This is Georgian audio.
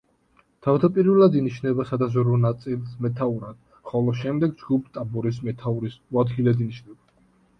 თავდაპირველად ინიშნება სადაზვერვო ნაწილს მეთაურად, ხოლო შემდეგ, ჯგუფ „ტაბორის“ მეთაურის მოადგილედ ინიშნება.